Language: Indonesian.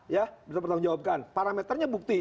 ya bertanggung jawabkan parameternya bukti